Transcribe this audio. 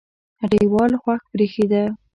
هټۍوال خوښ برېښېده